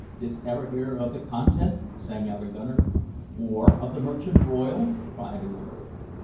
"Didst ever hear of the Content?" sang out a gunner. "Or of the Merchant Royal?" cried another.